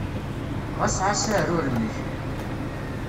Ɣas ɛass aɛrur-nnek.